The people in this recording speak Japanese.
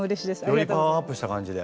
よりパワーアップした感じで。